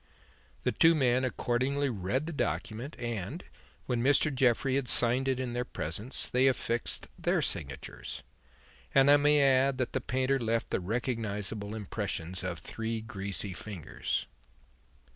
The two men accordingly read the document, and, when Mr. Jeffrey had signed it in their presence, they affixed their signatures; and I may add that the painter left the recognizable impressions of three greasy fingers."